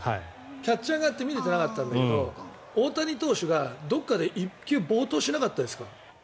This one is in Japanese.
キャッチャー側って見れていなかったんだけど大谷投手がどこかで１球暴投しなかったですか？